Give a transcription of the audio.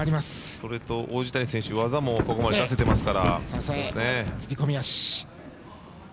それと、王子谷選手技も、ここまで出せてますから。